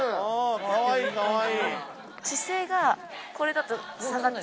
かわいいかわいい！